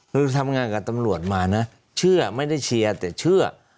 คือทำงานกับตำรวจมานะเชื่อไม่ได้เชียร์แต่เชื่อ